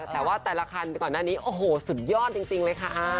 แต่ว่าแต่ละคันก่อนหน้านี้โอ้โหสุดยอดจริงเลยค่ะ